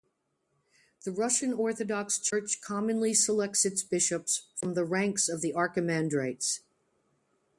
The Russian Orthodox Church commonly selects its bishops from the ranks of the archimandrites.